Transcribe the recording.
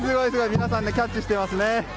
皆さんキャッチしていますね。